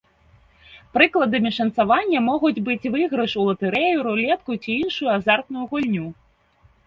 Прыкладамі шанцавання могуць быць выйгрыш у латарэю, рулетку ці іншую азартную гульню.